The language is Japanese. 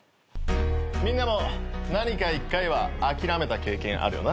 みんなも何か１回は諦めた経験あるよな。